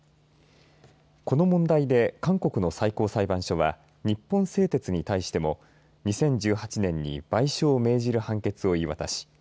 この問題で韓国の最高裁判所は日本製鉄に対しても２０１８年に賠償を命じる判決を言い渡し